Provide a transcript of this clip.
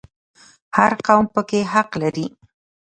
هر قوم پکې حق لري